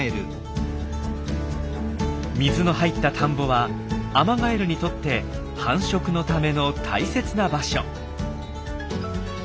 水の入った田んぼはアマガエルにとって繁殖のための大切な場所。